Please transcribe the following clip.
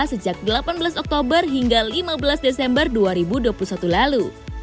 sejak delapan belas oktober hingga lima belas desember dua ribu dua puluh satu lalu